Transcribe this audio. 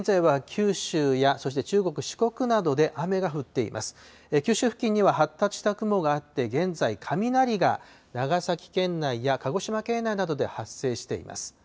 九州付近には発達した雲があって、現在、雷が長崎県内や、鹿児島県内などで発生しています。